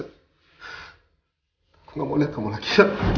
aku gak mau lihat kamu lagi